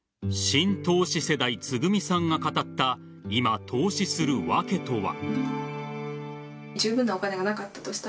新投資世代つぐみさんが語った今、投資する訳とは。